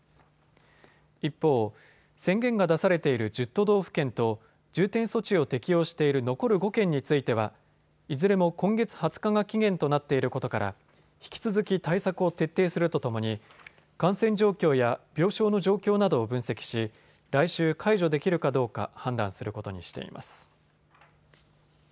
一方、宣言が出されている１０都道府県と重点措置を適用している残る５県については、いずれも今月２０日が期限となっていることから引き続き対策を徹底するとともに感染状況や病床の状況などを分析し来週、解除できるかどうか判断することにしています。